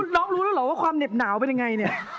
น้องรู้หรอว่าความเหน็บหนาวเป็นยังไง